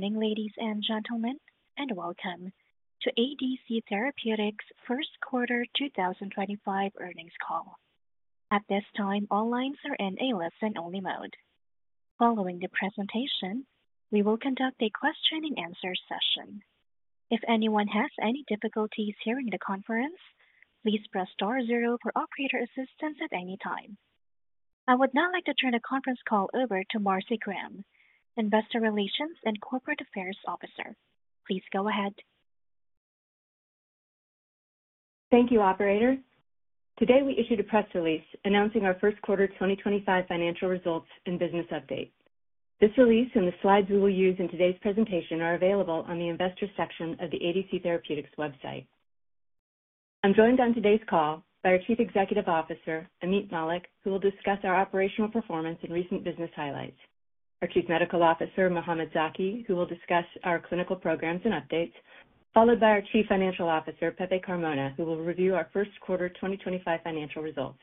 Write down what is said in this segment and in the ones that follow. Morning, ladies and gentlemen, and welcome to ADC Therapeutics' first quarter 2025 earnings call. At this time, all lines are in a listen-only mode. Following the presentation, we will conduct a question-and-answer session. If anyone has any difficulties hearing the conference, please press star zero for operator assistance at any time. I would now like to turn the conference call over to Marcy Graham, Investor Relations and Corporate Affairs Officer. Please go ahead. Thank you, Operator. Today, we issued a press release announcing our first quarter 2025 financial results and business update. This release and the slides we will use in today's presentation are available on the Investor section of the ADC Therapeutics website. I'm joined on today's call by our Chief Executive Officer, Ameet Mallik, who will discuss our operational performance and recent business highlights. Our Chief Medical Officer, Mohamed Zaki, who will discuss our clinical programs and updates, followed by our Chief Financial Officer, Pepe Carmona, who will review our first quarter 2025 financial results.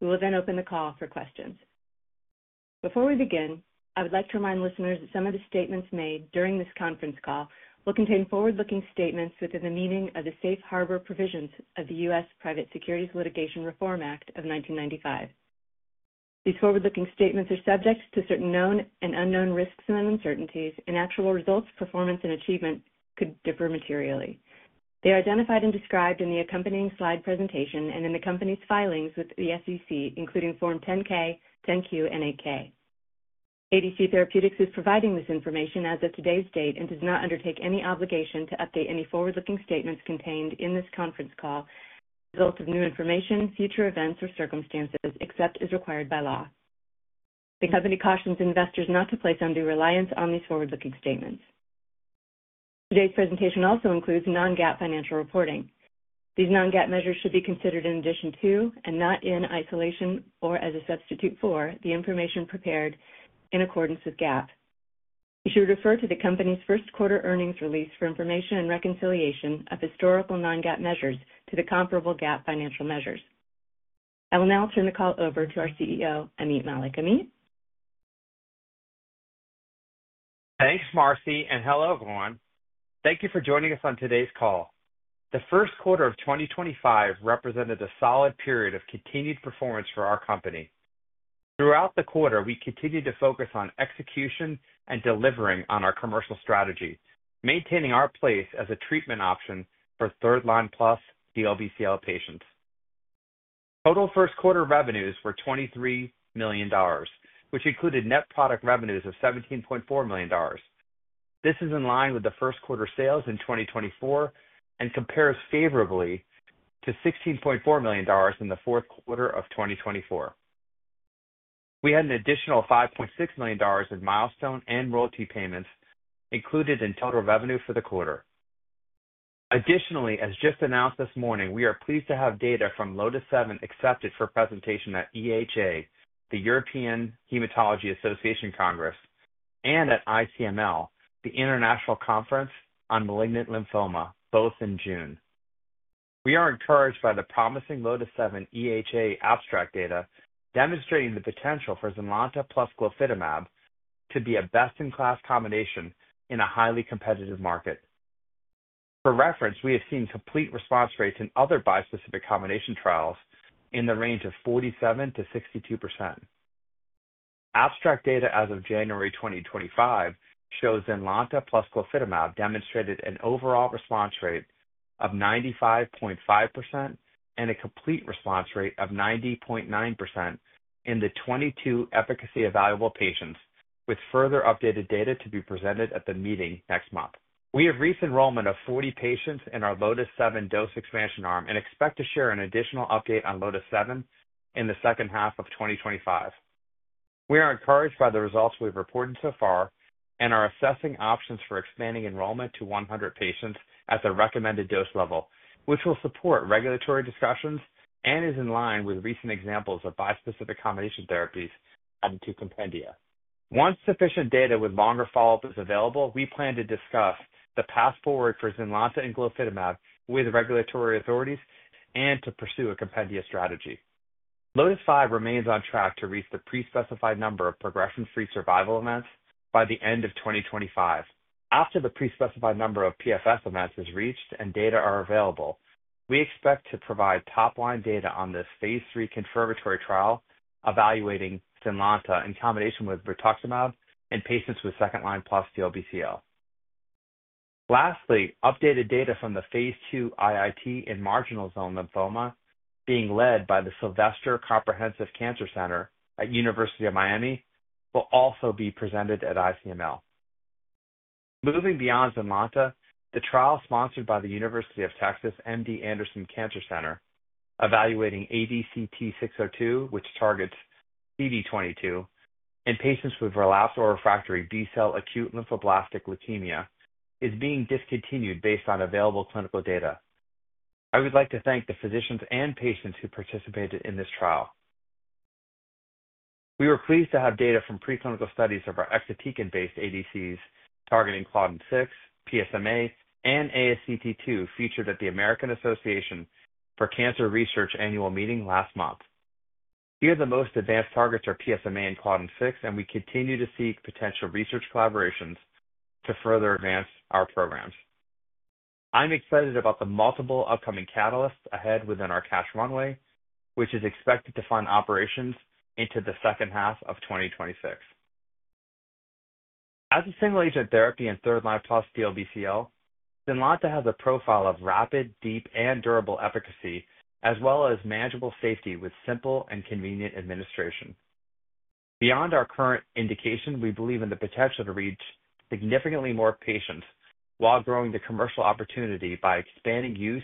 We will then open the call for questions. Before we begin, I would like to remind listeners that some of the statements made during this conference call will contain forward-looking statements within the meaning of the safe harbor provisions of the U.S. Private Securities Litigation Reform Act of 1995. These forward-looking statements are subject to certain known and unknown risks and uncertainties, and actual results, performance, and achievement could differ materially. They are identified and described in the accompanying slide presentation and in the company's filings with the SEC, including Form 10-K, 10-Q, and 8-K. ADC Therapeutics is providing this information as of today's date and does not undertake any obligation to update any forward-looking statements contained in this conference call as a result of new information, future events, or circumstances, except as required by law. The company cautions investors not to place undue reliance on these forward-looking statements. Today's presentation also includes non-GAAP financial reporting. These non-GAAP measures should be considered in addition to, and not in isolation or as a substitute for, the information prepared in accordance with GAAP. You should refer to the company's first quarter earnings release for information and reconciliation of historical non-GAAP measures to the comparable GAAP financial measures. I will now turn the call over to our CEO, Ameet Mallik. Ameet. Thanks, Marcy, and hello, everyone. Thank you for joining us on today's call. The first quarter of 2025 represented a solid period of continued performance for our company. Throughout the quarter, we continued to focus on execution and delivering on our commercial strategy, maintaining our place as a treatment option for third-line plus DLBCL patients. Total first quarter revenues were $23 million, which included net product revenues of $17.4 million. This is in line with the first quarter sales in 2024 and compares favorably to $16.4 million in the fourth quarter of 2024. We had an additional $5.6 million in milestone and royalty payments included in total revenue for the quarter. Additionally, as just announced this morning, we are pleased to have data from LOTIS-7 accepted for presentation at EHA, the European Hematology Association Congress, and at ICML, the International Conference on Malignant Lymphoma, both in June. We are encouraged by the promising LOTIS-7 EHA abstract data, demonstrating the potential for ZYNLONTA plus glofitamab to be a best-in-class combination in a highly competitive market. For reference, we have seen complete response rates in other bispecific combination trials in the range of 47%-62%. Abstract data as of January 2025 shows ZYNLONTA plus glofitamab demonstrated an overall response rate of 95.5% and a complete response rate of 90.9% in the 22 efficacy evaluable patients, with further updated data to be presented at the meeting next month. We have recent enrollment of 40 patients in our LOTIS-7 dose expansion arm and expect to share an additional update on LOTIS-7 in the second half of 2025. We are encouraged by the results we've reported so far and are assessing options for expanding enrollment to 100 patients at the recommended dose level, which will support regulatory discussions and is in line with recent examples of bispecific combination therapies added to compendia. Once sufficient data with longer follow-up is available, we plan to discuss the path forward for ZYNLONTA and glofitamab with regulatory authorities and to pursue a compendia strategy. LOTIS-5 remains on track to reach the prespecified number of progression-free survival events by the end of 2025. After the prespecified number of PFS events is reached and data are available, we expect to provide top-line data on this phase III confirmatory trial evaluating ZYNLONTA in combination with rituximab in patients with second-line plus DLBCL. Lastly, updated data from the phase II IIT in marginal zone lymphoma, being led by the Sylvester Comprehensive Cancer Center at University of Miami, will also be presented at ICML. Moving beyond ZYNLONTA, the trial sponsored by the University of Texas MD Anderson Cancer Center, evaluating ADCT-602, which targets CD22 in patients with relapsed or refractory B-cell acute lymphoblastic leukemia, is being discontinued based on available clinical data. I would like to thank the physicians and patients who participated in this trial. We were pleased to have data from preclinical studies of our exatecan-based ADCs targeting Claudin-6, PSMA, and ASCT2 featured at the American Association for Cancer Research annual meeting last month. Here, the most advanced targets are PSMA and Claudin-6, and we continue to seek potential research collaborations to further advance our programs. I'm excited about the multiple upcoming catalysts ahead within our cash runway, which is expected to fund operations into the second half of 2026. As a single-agent therapy in third-line plus DLBCL, ZYNLONTA has a profile of rapid, deep, and durable efficacy, as well as manageable safety with simple and convenient administration. Beyond our current indication, we believe in the potential to reach significantly more patients while growing the commercial opportunity by expanding use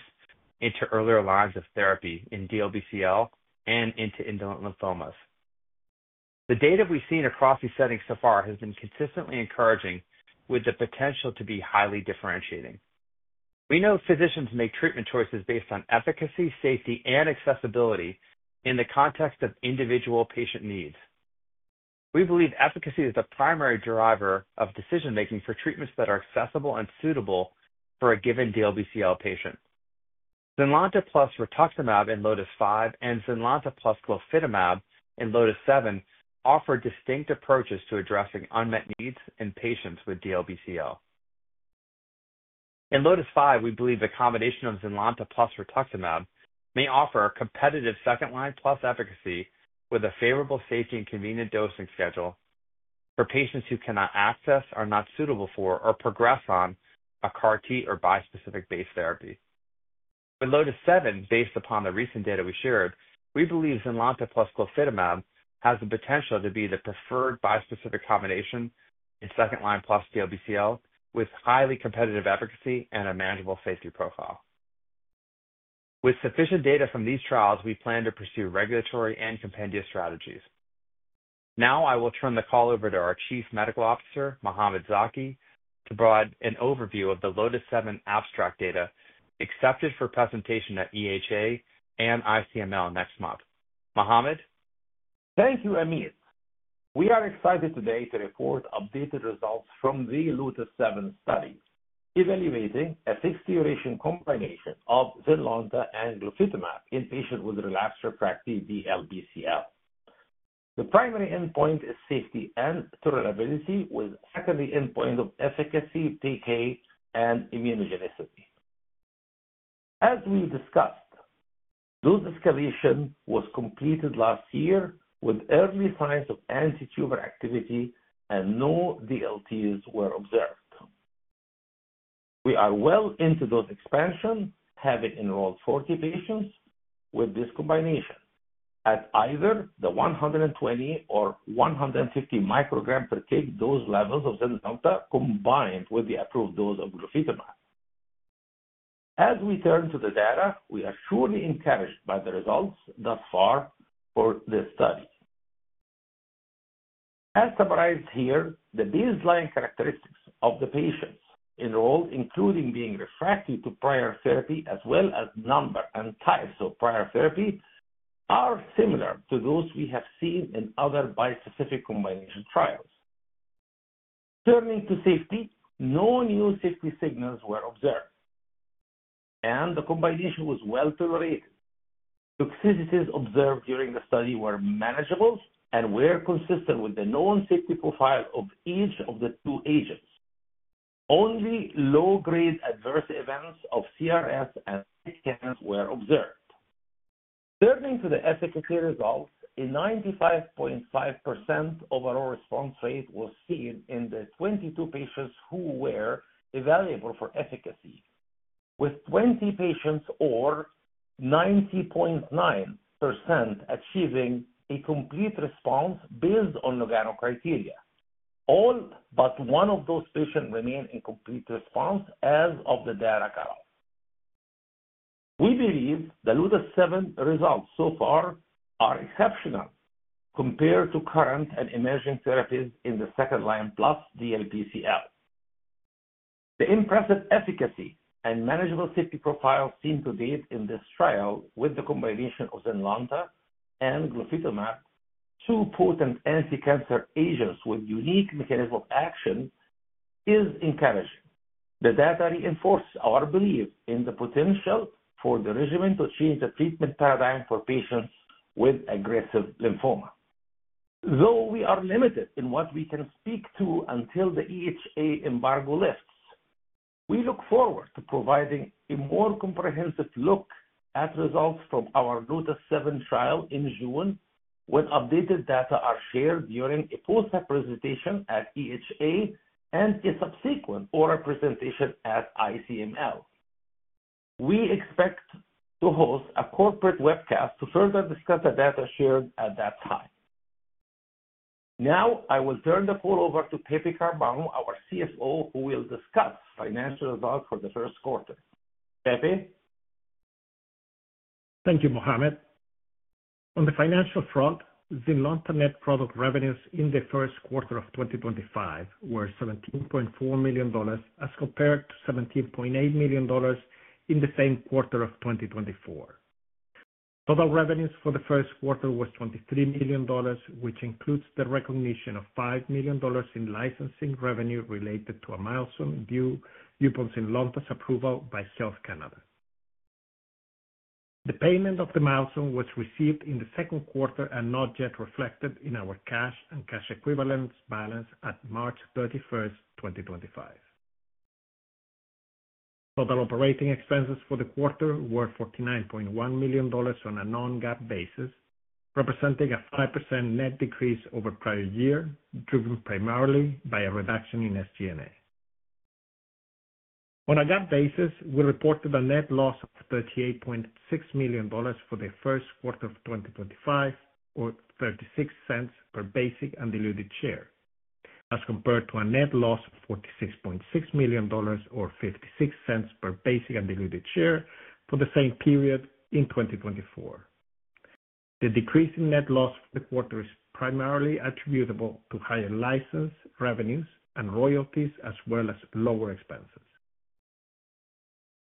into earlier lines of therapy in DLBCL and into indolent lymphomas. The data we've seen across these settings so far has been consistently encouraging, with the potential to be highly differentiating. We know physicians make treatment choices based on efficacy, safety, and accessibility in the context of individual patient needs. We believe efficacy is the primary driver of decision-making for treatments that are accessible and suitable for a given DLBCL patient. ZYNLONTA plus rituximab in LOTIS-5 and ZYNLONTA plus glofitamab in LOTIS-7 offer distinct approaches to addressing unmet needs in patients with DLBCL. In LOTIS-5, we believe the combination of ZYNLONTA plus rituximab may offer a competitive second-line plus efficacy with a favorable safety and convenient dosing schedule for patients who cannot access, are not suitable for, or progress on a CAR-T or bispecific-based therapy. With LOTIS-7, based upon the recent data we shared, we believe ZYNLONTA plus glofitamab has the potential to be the preferred bispecific combination in second-line plus DLBCL with highly competitive efficacy and a manageable safety profile. With sufficient data from these trials, we plan to pursue regulatory and compendia strategies. Now, I will turn the call over to our Chief Medical Officer, Mohamed Zaki, to provide an overview of the LOTIS-7 abstract data accepted for presentation at EHA and ICML next month. Mohamed? Thank you, Ameet. We are excited today to report updated results from the LOTIS-7 study evaluating a six-duration combination of ZYNLONTA and glofitamab in patients with relapsed or refractory DLBCL. The primary endpoint is safety and tolerability, with the secondary endpoint of efficacy, decay, and immunogenicity. As we discussed, dose escalation was completed last year with early signs of anti-tumor activity, and no DLTs were observed. We are well into dose expansion, having enrolled 40 patients with this combination at either the 120 or 150 microgram per kg dose levels of ZYNLONTA combined with the approved dose of glofitamab. As we turn to the data, we are surely encouraged by the results thus far for this study. As summarized here, the baseline characteristics of the patients enrolled, including being refractory to prior therapy as well as number and types of prior therapy, are similar to those we have seen in other bispecific combination trials. Turning to safety, no new safety signals were observed, and the combination was well tolerated. Toxicities observed during the study were manageable and were consistent with the known safety profile of each of the two agents. Only low-grade adverse events of CRS and ICANS were observed. Turning to the efficacy results, a 95.5% overall response rate was seen in the 22 patients who were evaluable for efficacy, with 20 patients or 90.9% achieving a complete response based on Nagano criteria. All but one of those patients remained in complete response as of the data cutoff. We believe the LOTIS-7 results so far are exceptional compared to current and emerging therapies in the second-line plus DLBCL. The impressive efficacy and manageable safety profile seen to date in this trial with the combination of ZYNLONTA and glofitamab, two potent anti-cancer agents with unique mechanism of action, is encouraging. The data reinforces our belief in the potential for the regimen to change the treatment paradigm for patients with aggressive lymphoma. Though we are limited in what we can speak to until the EHA embargo lifts, we look forward to providing a more comprehensive look at results from our LOTIS-7 trial in June when updated data are shared during a post-op presentation at EHA and a subsequent oral presentation at ICML. We expect to host a corporate webcast to further discuss the data shared at that time. Now, I will turn the call over to Pepe Carmona, our CFO, who will discuss financial results for the first quarter. Pepe? Thank you, Mohamed. On the financial front, ZYNLONTA net product revenues in the first quarter of 2025 were $17.4 million as compared to $17.8 million in the same quarter of 2024. Total revenues for the first quarter was $23 million, which includes the recognition of $5 million in licensing revenue related to a milestone due upon ZYNLONTA's approval by Health Canada. The payment of the milestone was received in the second quarter and not yet reflected in our cash and cash equivalents balance at March 31st, 2025. Total operating expenses for the quarter were $49.1 million on a non-GAAP basis, representing a 5% net decrease over the prior year, driven primarily by a reduction in SG&A. On a GAAP basis, we reported a net loss of $38.6 million for the first quarter of 2025, or $0.36 per basic and diluted share, as compared to a net loss of $46.6 million, or $0.56 per basic and diluted share for the same period in 2024. The decrease in net loss for the quarter is primarily attributable to higher license revenues and royalties, as well as lower expenses.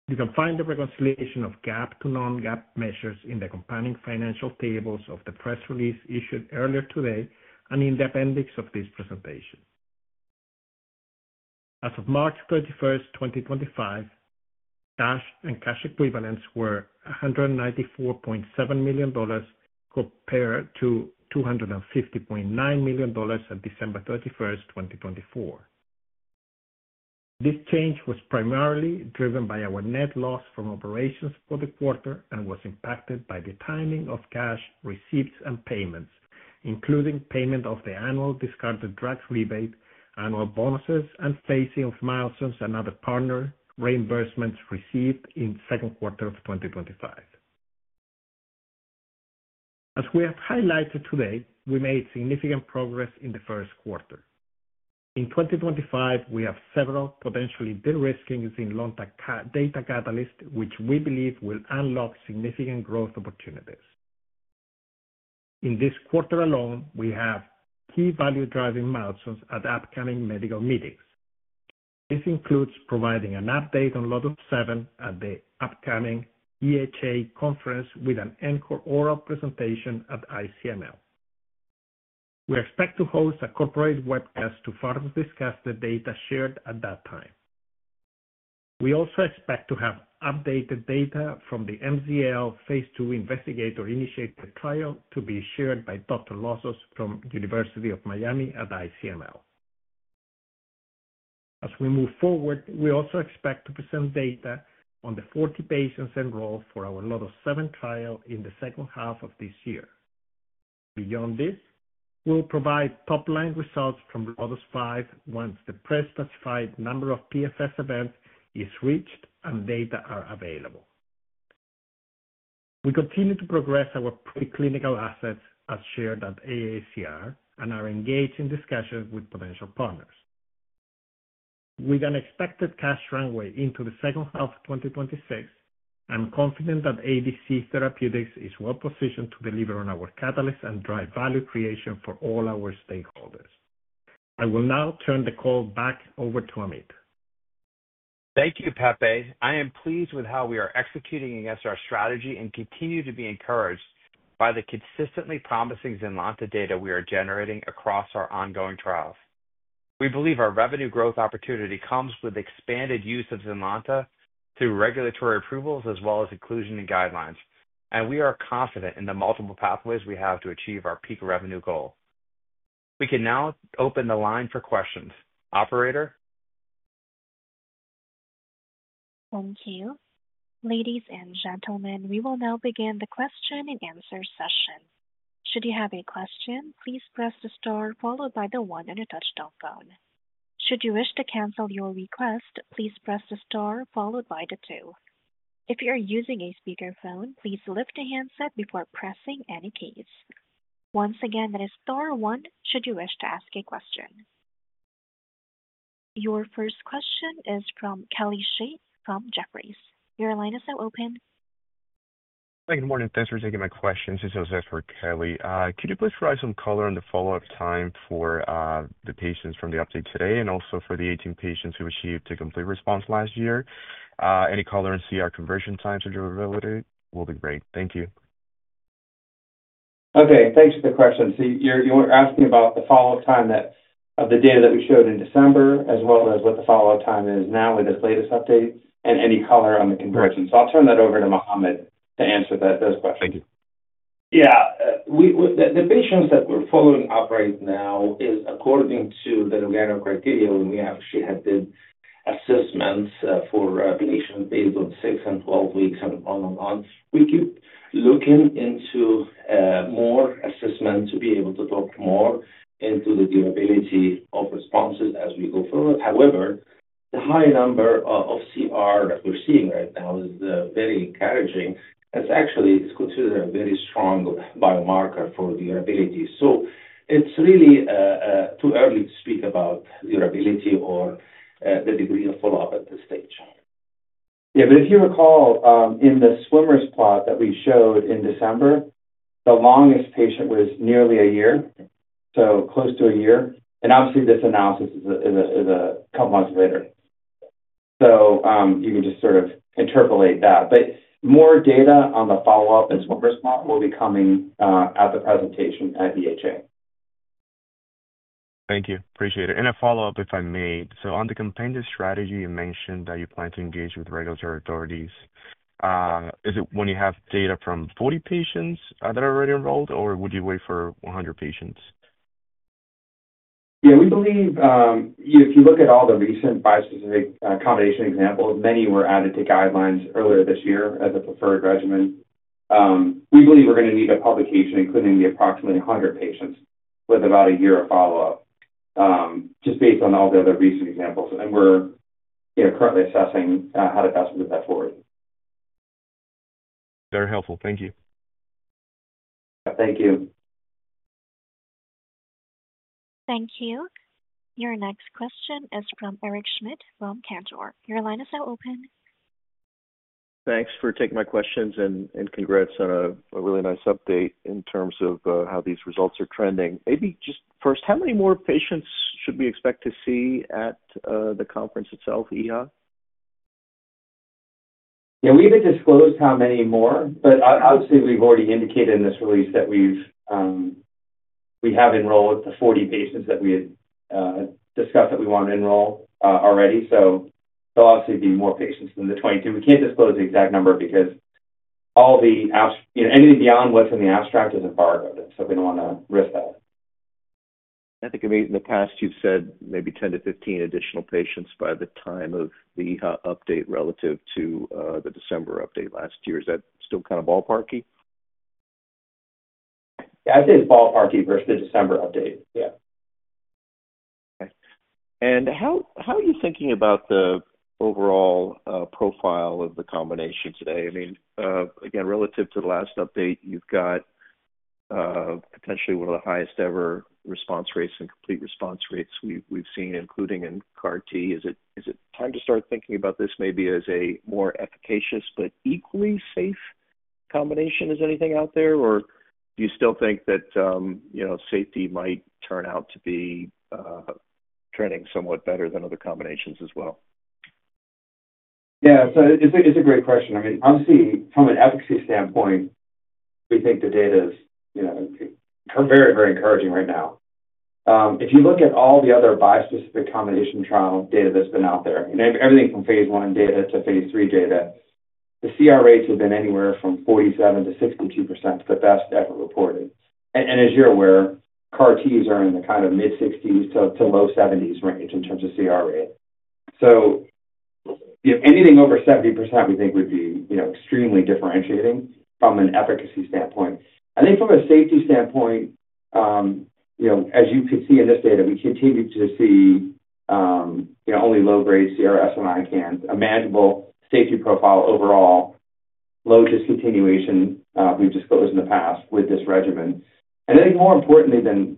You can find the reconciliation of GAAP to non-GAAP measures in the compounding financial tables of the press release issued earlier today and in the appendix of this presentation. As of March 31st, 2025, cash and cash equivalents were $194.7 million compared to $250.9 million at December 31st, 2024. This change was primarily driven by our net loss from operations for the quarter and was impacted by the timing of cash receipts and payments, including payment of the annual discarded drugs rebate, annual bonuses, and phasing of milestones and other partner reimbursements received in the second quarter of 2025. As we have highlighted today, we made significant progress in the first quarter. In 2025, we have several potentially de-risking ZYNLONTA data catalysts, which we believe will unlock significant growth opportunities. In this quarter alone, we have key value-driving milestones at upcoming medical meetings. This includes providing an update on LOTIS-7 at the upcoming EHA conference with an anchor oral presentation at ICML. We expect to host a corporate webcast to further discuss the data shared at that time. We also expect to have updated data from the MZL phase II investigator-initiated trial to be shared by Dr. Lossos from University of Miami at ICML. As we move forward, we also expect to present data on the 40 patients enrolled for our LOTIS-7 trial in the second half of this year. Beyond this, we'll provide top-line results from LOTIS-5 once the prespecified number of PFS events is reached and data are available. We continue to progress our preclinical assets as shared at AACR and are engaged in discussions with potential partners. With an expected cash runway into the second half of 2026, I'm confident that ADC Therapeutics is well-positioned to deliver on our catalyst and drive value creation for all our stakeholders. I will now turn the call back over to Ameet. Thank you, Pepe. I am pleased with how we are executing against our strategy and continue to be encouraged by the consistently promising ZYNLONTA data we are generating across our ongoing trials. We believe our revenue growth opportunity comes with expanded use of ZYNLONTA through regulatory approvals as well as inclusion in guidelines, and we are confident in the multiple pathways we have to achieve our peak revenue goal. We can now open the line for questions. Operator? Thank you. Ladies and gentlemen, we will now begin the question-and-answer session. Should you have a question, please press the star followed by the one on your touch-tone phone. Should you wish to cancel your request, please press the star followed by the two. If you are using a speakerphone, please lift a handset before pressing any keys. Once again, that is star one should you wish to ask a question. Your first question is from Kelly Shi from Jefferies. Your line is now open. Hi, good morning. Thanks for taking my questions. This is for Kelly. Could you please provide some color on the follow-up time for the patients from the update today and also for the 18 patients who achieved a complete response last year? Any color on CR conversion times and durability will be great. Thank you. Okay. Thanks for the question. You were asking about the follow-up time of the data that we showed in December as well as what the follow-up time is now with this latest update and any color on the conversion. I'll turn that over to Mohamed to answer those questions. Thank you. Yeah. The patients that we're following up right now is according to the Nagano criteria, when we actually had the assessments for patients based on 6 and 12 weeks and on and on. We keep looking into more assessments to be able to talk more into the durability of responses as we go forward. However, the high number of CR that we're seeing right now is very encouraging. It's actually considered a very strong biomarker for durability. It is really too early to speak about durability or the degree of follow-up at this stage. Yeah. If you recall, in the swimmers plot that we showed in December, the longest patient was nearly a year, so close to a year. Obviously, this analysis is a couple of months later. You can just sort of interpolate that. More data on the follow-up and swimmers plot will be coming at the presentation at EHA. Thank you. Appreciate it. A follow-up, if I may. On the compendia strategy, you mentioned that you plan to engage with regulatory authorities. Is it when you have data from 40 patients that are already enrolled, or would you wait for 100 patients? Yeah. We believe if you look at all the recent bispecific combination examples, many were added to guidelines earlier this year as a preferred regimen. We believe we're going to need a publication including the approximately 100 patients with about a year of follow-up just based on all the other recent examples. We're currently assessing how to best move that forward. Very helpful. Thank you. Thank you. Thank you. Your next question is from Eric Schmidt from Cantor. Your line is now open. Thanks for taking my questions and congrats on a really nice update in terms of how these results are trending. Maybe just first, how many more patients should we expect to see at the conference itself, EHA? Yeah. We haven't disclosed how many more, but obviously, we've already indicated in this release that we have enrolled the 40 patients that we had discussed that we want to enroll already. There'll obviously be more patients than the 22. We can't disclose the exact number because anything beyond what's in the abstract is embargoed. We don't want to risk that. I think in the past, you've said maybe 10-15 additional patients by the time of the EHA update relative to the December update last year. Is that still kind of ballpark-y? Yeah. I'd say it's ballpark-y versus the December update. Yeah. Okay. How are you thinking about the overall profile of the combination today? I mean, again, relative to the last update, you've got potentially one of the highest-ever response rates and complete response rates we've seen, including in CAR-T. Is it time to start thinking about this maybe as a more efficacious but equally safe combination? Is anything out there, or do you still think that safety might turn out to be trending somewhat better than other combinations as well? Yeah. So it's a great question. I mean, obviously, from an efficacy standpoint, we think the data is very, very encouraging right now. If you look at all the other bispecific combination trial data that's been out there, everything from phase I data to phase III data, the CR rates have been anywhere from 47%-62%, the best ever reported. And as you're aware, CAR-Ts are in the kind of mid-60s to low 70s range in terms of CR rate. So anything over 70% we think would be extremely differentiating from an efficacy standpoint. I think from a safety standpoint, as you could see in this data, we continue to see only low-grade CRS and ICANS, a manageable safety profile overall, low discontinuation we've disclosed in the past with this regimen. I think more importantly than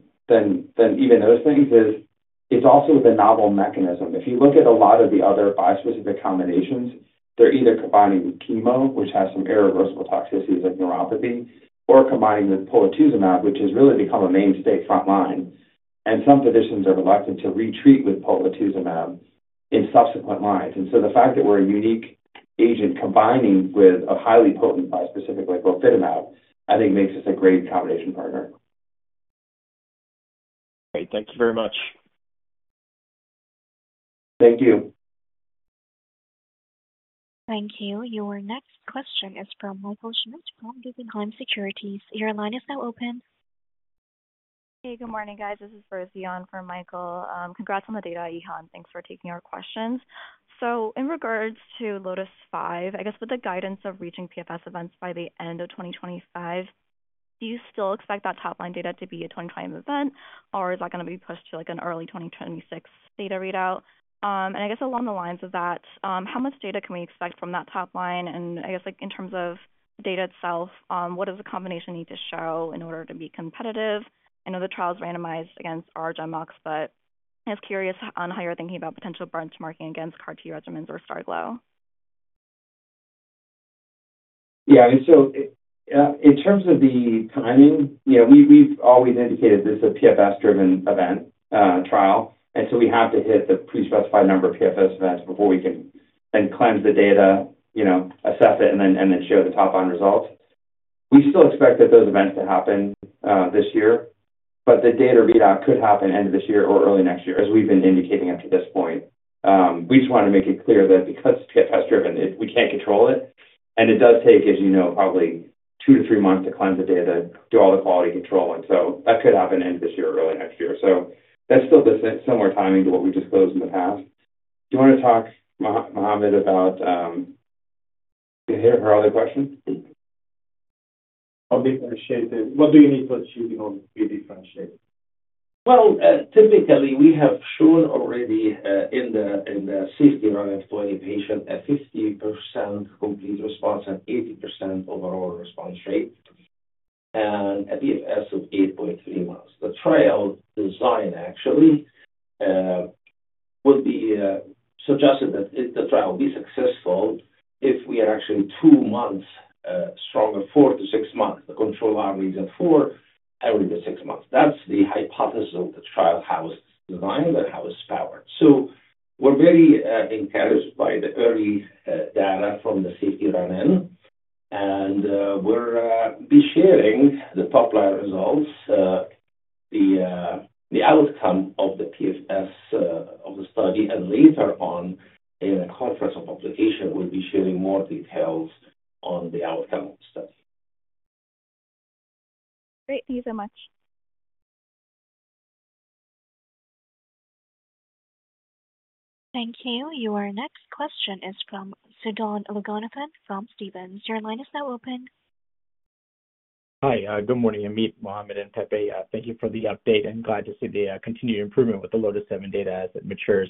even those things is it's also with a novel mechanism. If you look at a lot of the other bispecific combinations, they're either combining with chemo, which has some irreversible toxicities of neuropathy, or combining with polatuzumab, which has really become a mainstay frontline. Some physicians are reluctant to retreat with polatuzumab in subsequent lines. The fact that we're a unique agent combining with a highly potent bispecific like glofitamab, I think makes us a great combination partner. Great. Thank you very much. Thank you. Thank you. Your next question is from Michael Schmidt from Guggenheim Securities. Your line is now open. Hey, good morning, guys. This is Rosianne from Michael. Congrats on the data. Thanks for taking our questions. In regards to LOTIS-5, I guess with the guidance of reaching PFS events by the end of 2025, do you still expect that top-line data to be a 2025 event, or is that going to be pushed to an early 2026 data readout? I guess along the lines of that, how much data can we expect from that top line? I guess in terms of the data itself, what does the combination need to show in order to be competitive? I know the trial is randomized against R-GemOx, but I was curious on how you're thinking about potential benchmarking against CAR-T regimens or STARGLO. Yeah. In terms of the timing, we've always indicated this is a PFS-driven event trial. We have to hit the prespecified number of PFS events before we can then cleanse the data, assess it, and then show the top-line results. We still expect those events to happen this year, but the data readout could happen end of this year or early next year, as we've been indicating up to this point. We just wanted to make it clear that because it's PFS-driven, we can't control it. It does take, as you know, probably two to three months to cleanse the data, do all the quality control. That could happen end of this year or early next year. That's still similar timing to what we disclosed in the past. Do you want to talk, Mohamed, about her other question? How differentiated? What do you need to achieve in order to be differentiated? Typically, we have shown already in the safety run of 20 patients, a 50% complete response and 80% overall response rate, and a PFS of 8.3 months. The trial design actually would be suggested that the trial will be successful if we are actually two months stronger, 4 months-6 months. The control arm is at four, every six months. That is the hypothesis of the trial, how it is designed, that is how it is powered. We are very encouraged by the early data from the safety run-in. We will be sharing the top-line results, the outcome of the PFS of the study, and later on in a conference or publication, we will be sharing more details on the outcome of the study. Great. Thank you so much. Thank you. Your next question is from [Sivan Logonathan] from Stifel. Your line is now open. Hi. Good morning, Ameet, Mohamed, and Pepe. Thank you for the update. I'm glad to see the continued improvement with the LOTIS-7 data as it matures.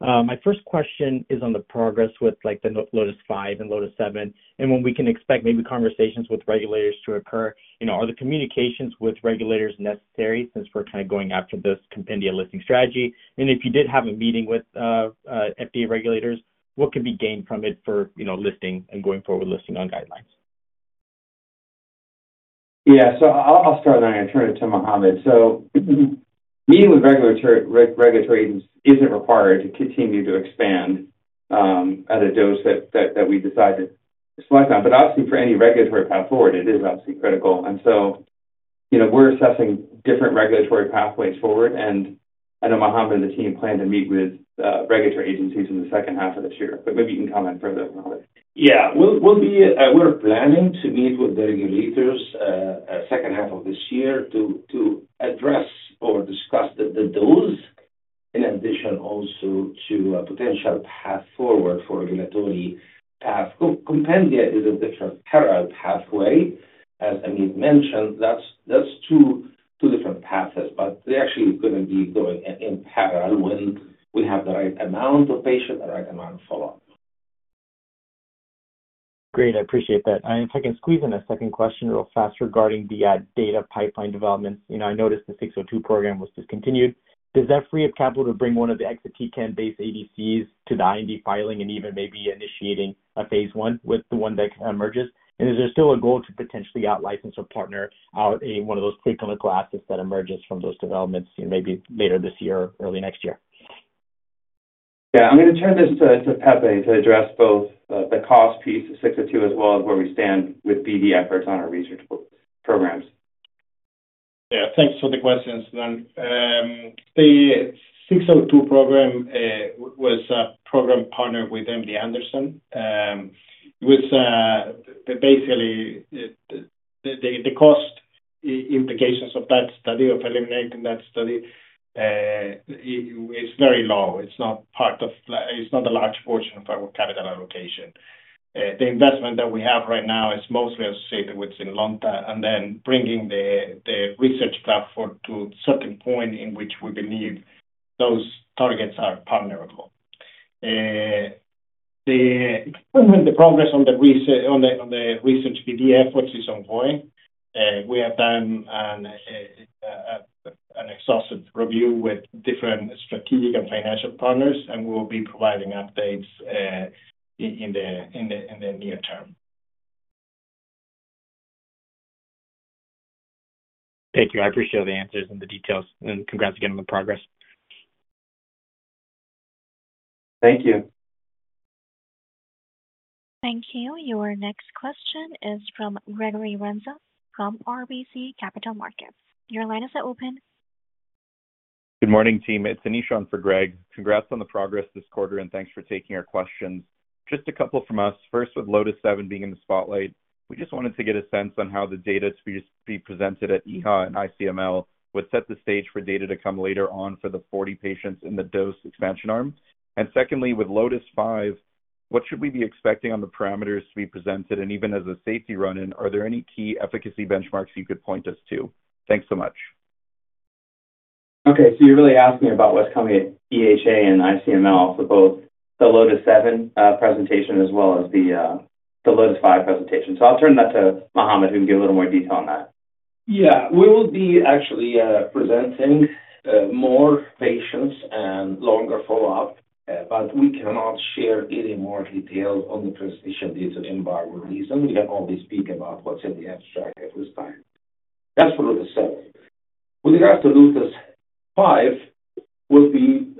My first question is on the progress with the LOTIS-5 and LOTIS-7 and when we can expect maybe conversations with regulators to occur. Are the communications with regulators necessary since we're kind of going after this compendia listing strategy? If you did have a meeting with FDA regulators, what could be gained from it for listing and going forward listing on guidelines? Yeah. I'll start on that and turn it to Mohamed. Meeting with regulatory agents isn't required to continue to expand at a dose that we decide to select on. Obviously, for any regulatory path forward, it is critical. We're assessing different regulatory pathways forward. I know Mohamed and the team plan to meet with regulatory agencies in the second half of this year. Maybe you can comment further on that. Yeah. We're planning to meet with the regulators in the second half of this year to address or discuss the dose in addition also to a potential path forward for regulatory path. Compendia is a different parallel pathway, as Ameet mentioned. That's two different paths. They actually are going to be going in parallel when we have the right amount of patients, the right amount of follow-up. Great. I appreciate that. If I can squeeze in a second question real fast regarding the data pipeline developments. I noticed the 602 program was discontinued. Does that free up capital to bring one of the exatecan-based ADCs to the IND filing and even maybe initiating a phase I with the one that emerges? Is there still a goal to potentially out-license or partner out one of those preclinical assets that emerges from those developments maybe later this year or early next year? Yeah. I'm going to turn this to Pepe to address both the cost piece of 602 as well as where we stand with BD efforts on our research programs. Yeah. Thanks for the questions, [Svan]. The 602 program was a program partnered with MD Anderson. Basically, the cost implications of that study, of eliminating that study, is very low. It's not part of, it's not a large portion of our capital allocation. The investment that we have right now is mostly associated with ZYNLONTA and then bringing the research platform to a certain point in which we believe those targets are ponderable. The progress on the research BD efforts is ongoing. We have done an exhaustive review with different strategic and financial partners, and we'll be providing updates in the near term. Thank you. I appreciate all the answers and the details. Congrats again on the progress. Thank you. Thank you. Your next question is from Gregory Renza from RBC Capital Markets. Your line is now open. Good morning, team. It's Anishan for Greg. Congrats on the progress this quarter, and thanks for taking our questions. Just a couple from us. First, with LOTIS-7 being in the spotlight, we just wanted to get a sense on how the data to be presented at EHA and ICML would set the stage for data to come later on for the 40 patients in the dose expansion arm. Secondly, with LOTIS-5, what should we be expecting on the parameters to be presented? Even as a safety run-in, are there any key efficacy benchmarks you could point us to? Thanks so much. Okay. So you're really asking about what's coming at EHA and ICML for both the LOTIS-7 presentation as well as the LOTIS-5 presentation. So I'll turn that to Mohamed, who can give a little more detail on that. Yeah. We will be actually presenting more patients and longer follow-up, but we cannot share any more details on the transition due to embargo reasons. We can only speak about what's in the abstract at this time. That's for LOTIS-7. With regards to LOTIS-5, we'll be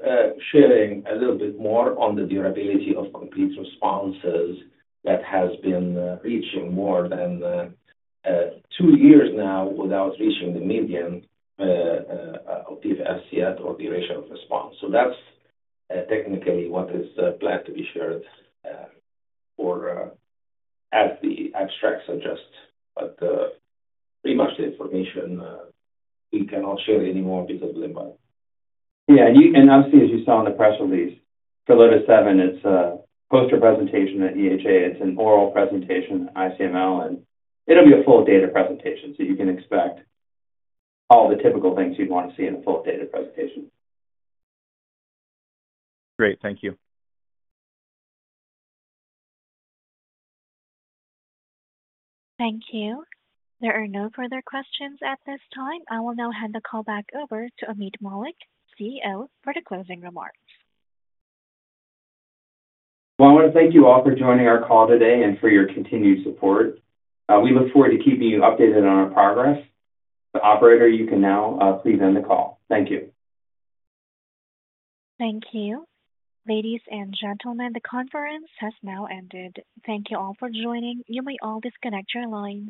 sharing a little bit more on the durability of complete responses that has been reaching more than two years now without reaching the median of PFS yet or duration of response. That is technically what is planned to be shared as the abstracts suggest. Pretty much the information, we cannot share any more because of the invite. Yeah. Obviously, as you saw in the press release for LOTIS-7, it's a poster presentation at EHA. It's an oral presentation at ICML. It'll be a full data presentation. You can expect all the typical things you'd want to see in a full data presentation. Great. Thank you. Thank you. There are no further questions at this time. I will now hand the call back over to Ameet Mallik, CEO, for the closing remarks. I want to thank you all for joining our call today and for your continued support. We look forward to keeping you updated on our progress. Operator, you can now please end the call. Thank you. Thank you. Ladies and gentlemen, the conference has now ended. Thank you all for joining. You may all disconnect your lines.